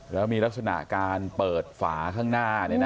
แล้วมีลักษณะการเปิดฝาข้างหน้า